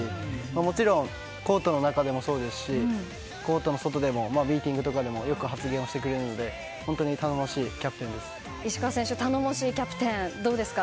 もちろんコートの中でもそうですしコートの外でもミーティングとかでもよく発言してくれるので石川選手、頼もしいキャプテン、どうですか？